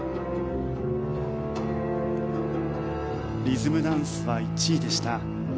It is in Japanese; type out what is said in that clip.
リズムダンスは１位でした。